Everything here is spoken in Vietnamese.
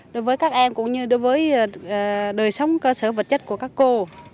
đối với các em cũng như đối với đời sống cơ sở vật chất của các cô